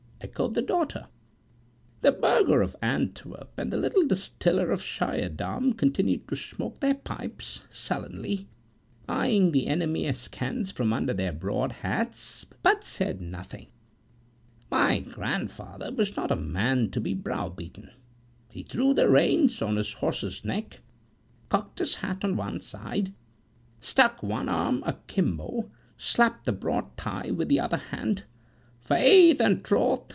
echoed the daughter. The burgher of Antwerp and the little distiller of Schiedam continued to smoke their pipes sullenly, eyed the enemy askance from under their broad hats, but said nothing.My grandfather was not a man to be browbeaten. He threw the reins on his horse's neck, cocked his hat on one side, stuck one arm akimbo, slapped his broad thigh with the other hand "Faith and troth!"